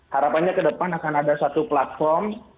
harapannya ke depan akan ada satu platform